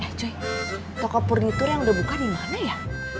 eh cuy toko purnitur yang udah buka dimana ya